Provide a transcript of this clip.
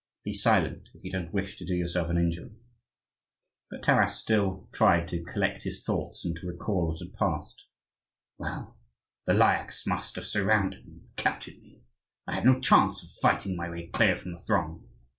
Be silent if you don't wish to do yourself an injury." But Taras still tried to collect his thoughts and to recall what had passed. "Well, the Lyakhs must have surrounded and captured me. I had no chance of fighting my way clear from the throng."